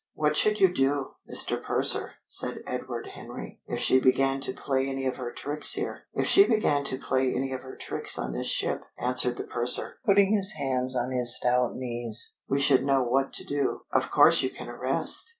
"What should you do, Mr. Purser," said Edward Henry, "if she began to play any of her tricks here?" "If she began to play any of her tricks on this ship," answered the purser, putting his hands on his stout knees, "we should know what to do." "Of course you can arrest?"